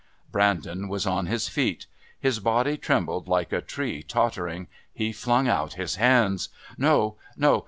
Brandon was on his feet. His body trembled like a tree tottering. He flung out his hands. "No.... No....